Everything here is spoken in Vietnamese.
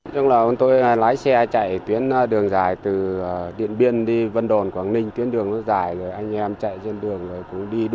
dịp tết nguyên đán là thời điểm người dân sử dụng nhiều rượu bia